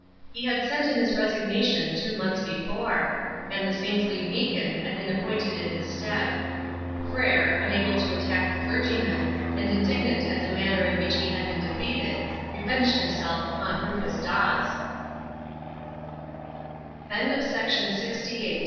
He had sent in his resignation two months before, and the saintly Meekin had been appointed in his stead. Frere, unable to attack the clergyman, and indignant at the manner in which he had been defeated, revenged himself upon Rufus Dawes. CHAPTER XIII. MR. NORTH SPEAKS.